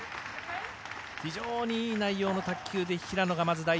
非常にいい内容の卓球で平野がまず第１